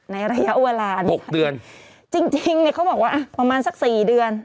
ในระยะเวลานี้ค่ะจริงเนี่ยเขาบอกว่าประมาณสัก๔เดือน